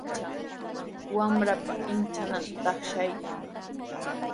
Inichami wamranpa inchananta taqshaykan.